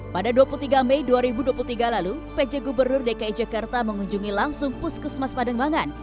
pada dua puluh tiga mei dua ribu dua puluh tiga lalu pj gubernur dki jakarta mengunjungi langsung puskesmas pademangan